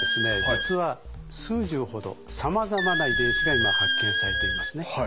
実は数十ほどさまざまな遺伝子が今発見されていますね。